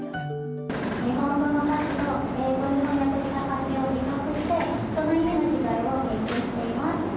日本語の歌詞と英語に翻訳した歌詞を比較して、その意味の違いを研究しています。